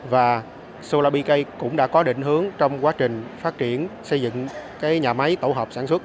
và solarpk cũng đã có định hướng trong quá trình phát triển xây dựng cái nhà máy tổ hợp sản xuất